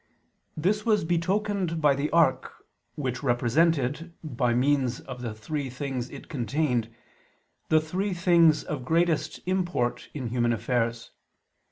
This was betokened by the ark, which represented, by means of the three things it contained, the three things of greatest import in human affairs.